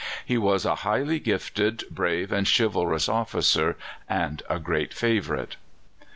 He was a highly gifted, brave and chivalrous officer, and a great favourite."